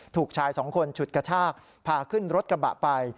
ถูกชายสองคนฉุดกระชากพาขึ้นรถกระบะไป